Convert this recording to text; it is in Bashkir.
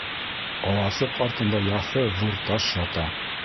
Аласыҡ артында яҫы ҙур таш ята.